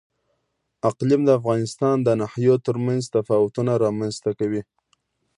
اقلیم د افغانستان د ناحیو ترمنځ تفاوتونه رامنځ ته کوي.